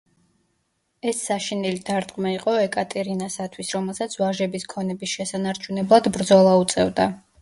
ეს საშინელი დარტყმა იყო ეკატერინასათვის, რომელსაც ვაჟების ქონების შესანარჩუნებლად ბრძოლა უწევდა.